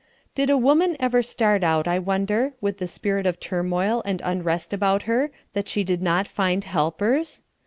Did a woman ever start out, I wonder, with the spirit of turmoil and unrest about her, that she did not find helpers?